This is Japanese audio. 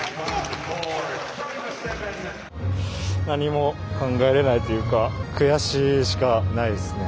何も考えられないというか悔しいしかないですね。